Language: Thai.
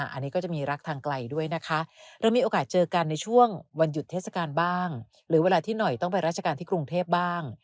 อันนี้ก็จะมีรักทางไกลด้วยนะคะเรามีโอกาสเจอกันในช่วงวันหยุดเทศกาลบ้างหรือเวลาที่หน่อยต้องไปราชการที่กรุงเทพบ้าง